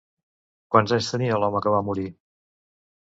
Quants anys tenia l'home que va morir?